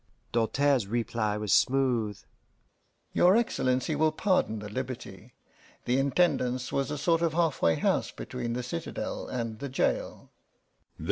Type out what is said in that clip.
Doltaire's reply was smooth: "Your Excellency will pardon the liberty. The Intendance was a sort of halfway house between the citadel and the jail."